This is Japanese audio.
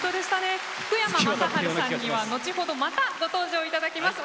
福山雅治さんには後ほど、またご登場いただきます。